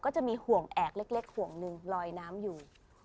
จะมีห่วงแอกเล็กห่วงหนึ่งลอยน้ำอยู่